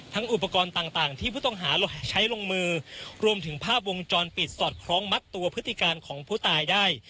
อุปกรณ์ต่างที่ผู้ต้องหาใช้ลงมือรวมถึงภาพวงจรปิดสอดคล้องมัดตัวพฤติการของผู้ตายได้